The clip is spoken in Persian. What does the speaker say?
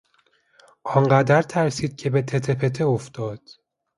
آنقدر ترسید که به تته پته افتاد.